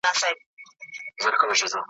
هجر توره شپه ده سهار نه لرم